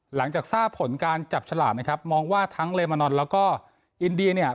หลังจากทราบผลการจับฉลากนะครับมองว่าทั้งเลมานอนแล้วก็อินเดียเนี่ย